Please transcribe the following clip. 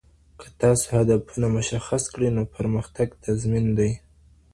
که تاسو هدفونه مشخص کړئ، نو پرمختګ تضمین دی.